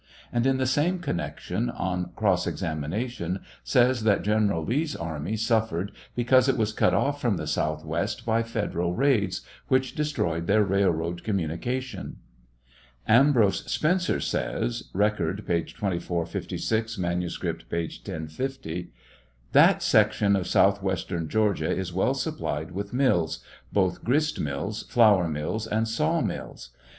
And in the same connection, on cross examination, says that General Lee's array suffered because it was cut off from the southwest by federal raids, which destroyed their railroad communication. Ambrose Spencer says, (Record, p. 2456; manuscript, p. 1050:) That section of southwestern Georgia ia well supplied with mills — both grist mills, flour mills, and saw mills.